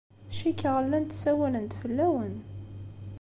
Cikkeɣ llant ssawalent fell-awen.